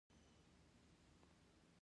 لعل د افغانستان د انرژۍ سکتور برخه ده.